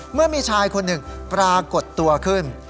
เมื่อมีชายคนหนึ่งปรากฏตัวขึ้น